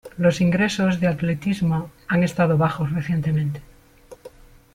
Los ingresos de Atletismo han estado bajos recientemente.